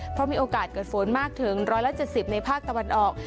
เพราะมีโอกาสเกิดฝนมากถึง๑๗๐ในภาคตะวันออก